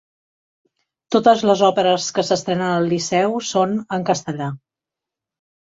Totes les òperes que s'estrenen al Liceu són en castellà.